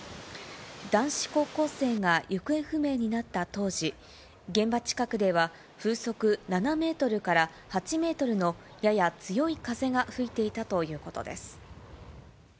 男子高校生が行方不明になった当時、現場近くでは風速７メートルから８メートルのやや強い風が吹いていたということです。